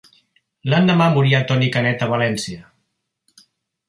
L'endemà moria Toni Canet a València.